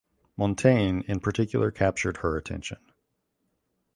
Montaigne in particular captured her attention.